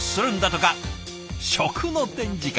食の展示会